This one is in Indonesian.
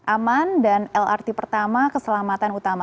aman dan lrt pertama keselamatan utama